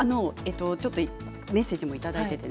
メッセージをいただいています。